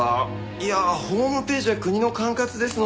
いやホームページは国の管轄ですので。